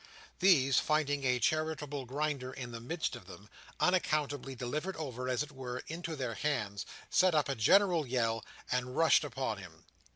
These, finding a Charitable Grinder in the midst of them—unaccountably delivered over, as it were, into their hands—set up a general yell and rushed upon him.